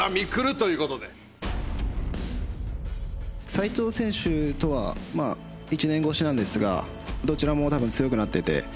斎藤選手とはまあ１年越しなんですがどちらもたぶん強くなってて。